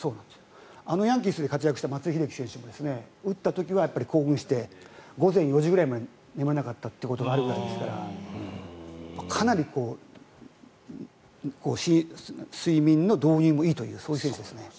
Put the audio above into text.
あのヤンキースで活躍した松井秀喜さんも打った時は興奮して午前４時ぐらいまで眠れなかったということがあるぐらいですからかなり睡眠の導入もいいという。